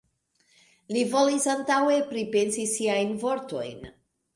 Li volis antaŭe pripensi siajn vortojn.